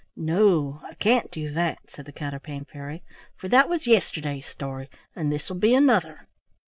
"No, I can't do that," said the Counterpane Fairy, "for that was yesterday's story, and this will be another."